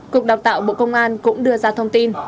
cục đào tạo bộ công an cũng đưa ra thông tin